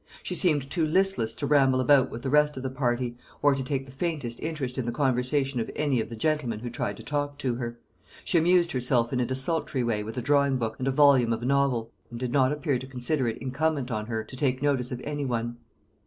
She seemed too listless to ramble about with the rest of the party, or to take the faintest interest in the conversation of any of the gentlemen who tried to talk to her. She amused herself in a desultory way with a drawing book and a volume of a novel, and did not appear to consider it incumbent on her to take notice of any one.